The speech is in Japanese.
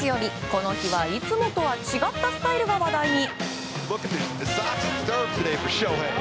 この日はいつもとは違ったスタイルが話題に。